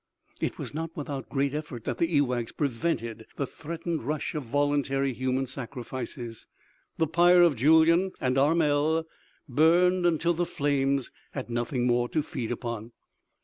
It was not without great effort that the ewaghs prevented the threatened rush of voluntary human sacrifices. The pyre of Julyan and Armel burned until the flames had nothing more to feed upon.